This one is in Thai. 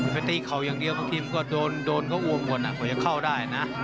ไปตีเขาอย่างเดียวเมื่อกี้มันก็โดนเขาอวมกว่าน่ะกว่าจะเข้าได้นะ